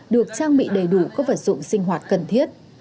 được trang bị đầy đủ các vật dụng sinh hoạt cần thiết